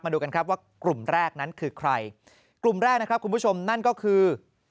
ดูกันครับว่ากลุ่มแรกนั้นคือใครกลุ่มแรกนะครับคุณผู้ชมนั่นก็คือ